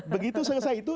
begitu selesai itu